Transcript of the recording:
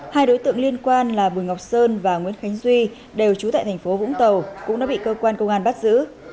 hai đối tượng liên quan là bùi ngọc sơn và nguyễn khánh duy đều trú tại thành phố vũng tàu cũng đã bị cơ quan công an bắt giữ